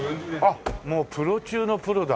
あっもうプロ中のプロだ。